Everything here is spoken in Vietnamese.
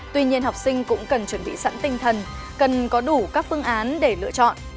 tuy nhiên học sinh cũng cần chuẩn bị sẵn tinh thần cần có đủ các phương án để lựa chọn